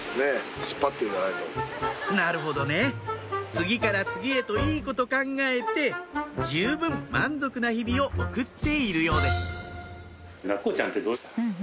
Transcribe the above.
次から次へといいこと考えて十分満足な日々を送っているようです